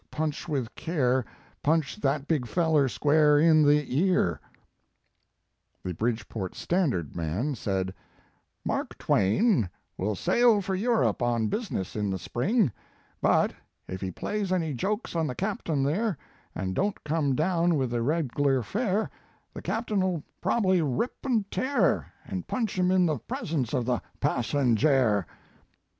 punch with care! punch that big feller square in the earl" The Bridgeport Standard man said: "Mark Twain will sail for Europe on business in the spring; but If he plays any jokes on the captain there, And don t come down with the reg ler fare, The captain ll probably rip and tear, And punch him in the presence of the passenjare."